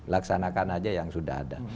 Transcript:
laksanakan aja yang sudah ada